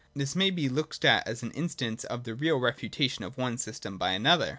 This may be looked at as an instance of the real refutation of I one system by another.